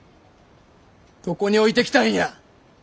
どこに置いてきたんや！